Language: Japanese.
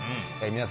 皆様